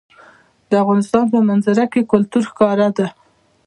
د افغانستان په منظره کې کلتور ښکاره ده.